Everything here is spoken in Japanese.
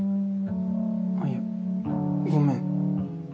あっいやごめん。